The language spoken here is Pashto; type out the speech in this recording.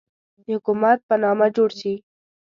د حکومت په نامه جوړ شي.